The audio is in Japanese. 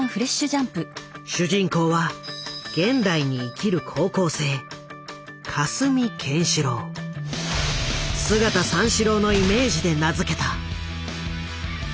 主人公は現代に生きる高校生「姿三四郎」のイメージで名付けた。